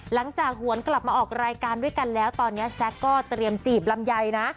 หวนกลับมาออกรายการด้วยกันแล้วตอนนี้แซ็กก็เตรียมจีบลำไยนะ